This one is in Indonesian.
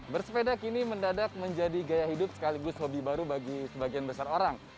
bersepeda kini mendadak menjadi gaya hidup sekaligus hobi baru bagi sebagian besar orang